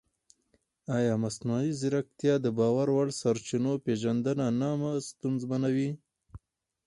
ایا مصنوعي ځیرکتیا د باور وړ سرچینو پېژندنه نه ستونزمنوي؟